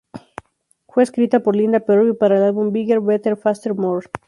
Fue escrita por Linda Perry para el álbum "Bigger, Better, Faster, More!".